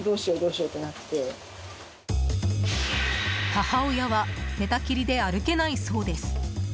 母親は、寝たきりで歩けないそうです。